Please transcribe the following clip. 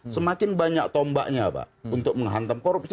semakin banyak tombaknya pak untuk menghantam korupsi